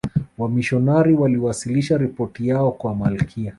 wamishionari waliwasilisha ripoti yao kwa malkia